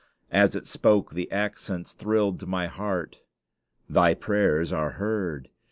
As it spoke, the accents thrilled to my heart: "Thy prayers are heard.